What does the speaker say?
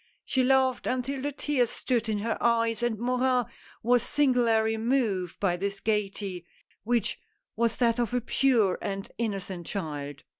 She laughed until the tears stood in her eyes, and Morin was singularly moved by this gayety — which was that of a pure and innocent child.